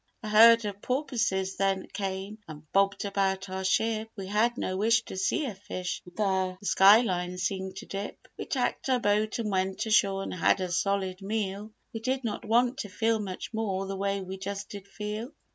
A herd of porpoises then came And bobbed about our ship: We had no wish to see a fish The sky line seemed to dip. We tacked our boat and went ashore And had a solid meal. We did not want to feel much more The way we just did feel!"